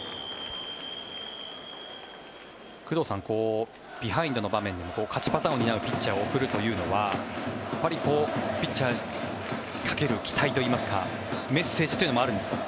工藤さん、ビハインドの場面で勝ちパターンのピッチャーを送るというのはピッチャーにかける期待といいますかメッセージというのもあるんですか。